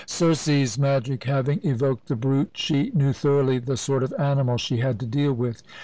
Circe's magic having evoked the brute, she knew thoroughly the sort of animal she had to deal with.